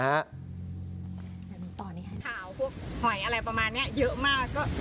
ข่าวพวกหอยอะไรประมาณนี้เยอะมาก